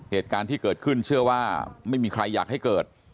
เหตุการณ์ที่เกิดขึ้นเชื่อว่าไม่มีใครอยากให้เกิด